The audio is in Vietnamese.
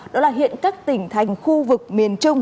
đó là hiện các tỉnh thành khu vực miền trung